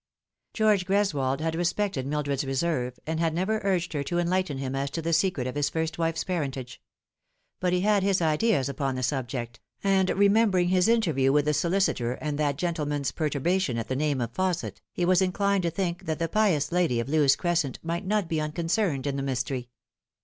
George Greswold had respected Mildred's reserve, and had never urged her to enlighten him as to the secret of his first wife's parentage ; but he had his ideas upon the subject, and, remembering his interview with the solicitor and that gentle man's perturbation at the name of Fausset, ha was inclined to think that the pious lady of Lewes Crescent might not be un concerned in the mystery.